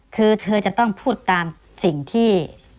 คือเธอจะต้องพูดตามสิ่งที่